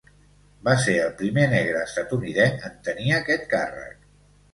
Va ser el primer negre estatunidenc en tenir aquest càrrec.